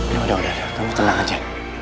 ya udah udah kamu tenang aja